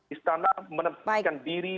istana menempatkan diri